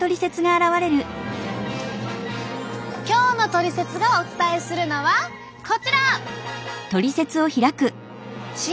今日の「トリセツ」がお伝えするのはこちら！